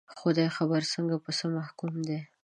خدای خبر څنګه، په څه محکوم دي